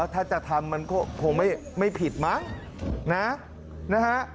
ถ้าจะทำมันก็คงไม่ผิดมั้งนะนะฮะ